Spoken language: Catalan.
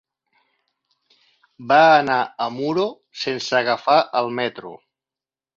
Va anar a Muro sense agafar el metro.